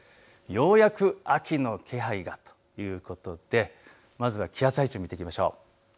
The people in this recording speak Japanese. ようやく秋の気配がということでまずは気圧配置を見ていきましょう。